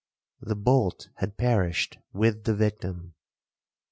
The bolt had perished with the victim.